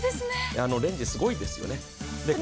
レンジすごいですよね。